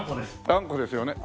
あんこですよね。